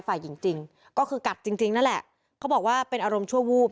ฝ่ายหญิงจริงก็คือกัดจริงจริงนั่นแหละเขาบอกว่าเป็นอารมณ์ชั่ววูบ